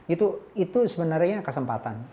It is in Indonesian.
itu sebenarnya kesempatan